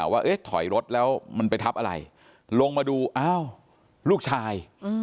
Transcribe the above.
ว่าเอ๊ะถอยรถแล้วมันไปทับอะไรลงมาดูอ้าวลูกชาย